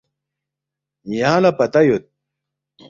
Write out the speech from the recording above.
”یانگ لہ پتہ یود